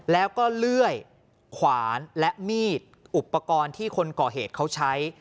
แล้วก็เลื่อยขวานและมีดอุปกรณ์ที่คนก่อเหตุเขาใช้